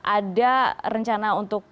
ada rencana untuk